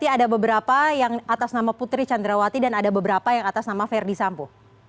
ada beberapa yang atas nama putri candrawati dan ada beberapa yang atas nama ferdi sambo